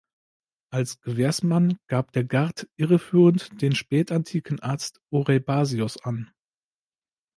Als Gewährsmann gab der Gart irreführend den spätantiken Arzt Oreibasios an.